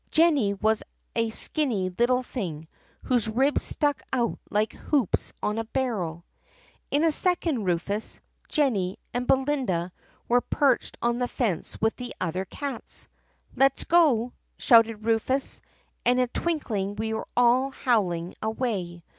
Jennie was a skinny little thing whose ribs stuck out like hoops on a barrel. "In a second Rufus, Jennie, and Belinda were perched on the fence with the other cats. 'Let 's go!' shouted Rufus and in a twinkling we were all howling away.